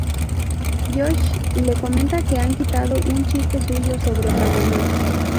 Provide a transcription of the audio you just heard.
Josh le comenta que han quitado un chiste suyo sobre Panamá.